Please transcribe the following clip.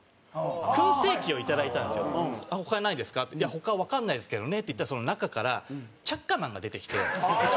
「他はわかんないですけどね」って言ったら中からチャッカマンが出てきて。